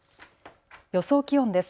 予想気温です。